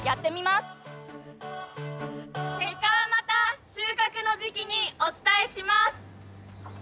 結果はまた収穫の時期にお伝えします。